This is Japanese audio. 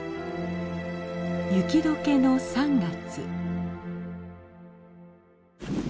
雪どけの３月。